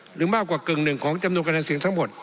หรือมากกว่ากึ่งหนึ่งของจำนวนคะแนนเสียงทั้งหมด